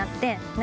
何？